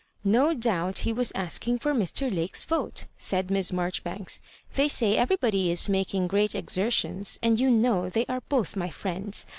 " No doubt he was asking for Mr. Lake's yote," said Miss Marjoribanks. "They say eyery body is making great exertions, and you know they are both my friends.